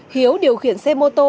hiếu điều khiển xe mô tô